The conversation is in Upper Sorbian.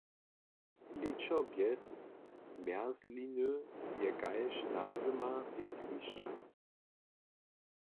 Lěćo bjez zmjerzliny je kaž nazyma bjez lisća.